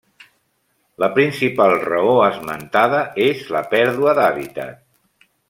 La principal raó esmentada és la pèrdua d'hàbitat.